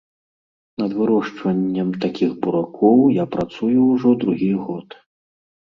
Над вырошчваннем такіх буракоў я працую ўжо другі год.